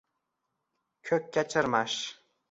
Ko’kka chirmash.